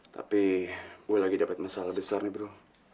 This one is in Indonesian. tapi saya lagi dapat masalah besar bro